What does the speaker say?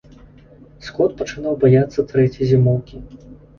Скот пачынаў баяцца трэцяй зімоўкі.